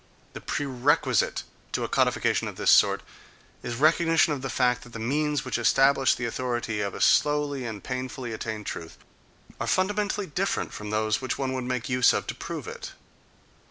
The prerequisite to a codification of this sort is recognition of the fact that the means which establish the authority of a slowly and painfully attained truth are fundamentally different from those which one would make use of to prove it.